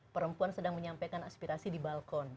perempuan sedang menyampaikan aspirasi di balkon